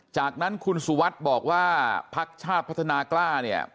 จากนั้นคุณสุวัสดิ์บอกว่าพักชาติพัฒนากล้าเนี่ย